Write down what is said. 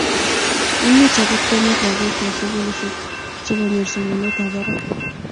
Imuchi akot komut lakokwai sikulishek konyor somanet ab brak